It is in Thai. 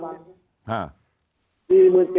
ก็พบให้พรมอาจารย์พ่อไป๔๗๐๐๐ต่อไล่